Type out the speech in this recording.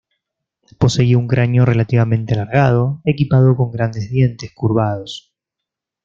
Poseía un cráneo relativamente alargado, equipado con grandes dientes curvados.